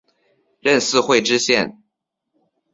任四会知县。